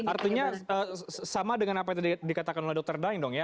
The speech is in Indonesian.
artinya sama dengan apa yang dikatakan oleh dr daeng